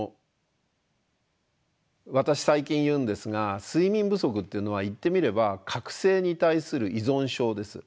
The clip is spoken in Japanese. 私最近言うんですが睡眠不足っていうのは言ってみれば覚醒に対する依存症です。